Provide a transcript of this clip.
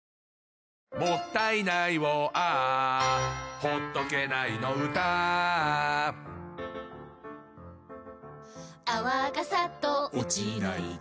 「もったいないをＡｈ」「ほっとけないの唄Ａｈ」「泡がサッと落ちないと」